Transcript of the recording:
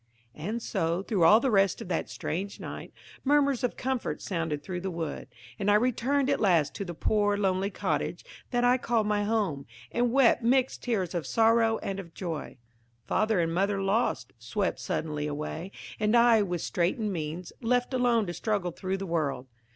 And so, through all the rest of that strange night, murmurs of comfort sounded through the wood, and I returned at last to the poor lonely cottage that I called my home, and wept mixed tears of sorrow and of joy. Father and mother lost, swept suddenly away, and I, with straitened means, left alone to struggle through the world!